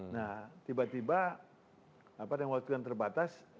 nah tiba tiba dalam waktu yang terbatas